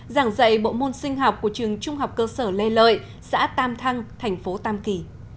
giảng dạy bộ môn sinh học của trường trung học cơ sở lê lợi xã tam thăng thành phố tam kỳ